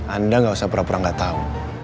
anda gak usah pura pura gak tau